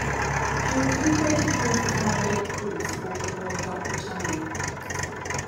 She recuperated during a Caribbean cruise aboard the royal yacht, "Britannia".